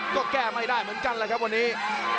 ก็แก้ไม่ได้เหมือนกันแหละครับวันนี้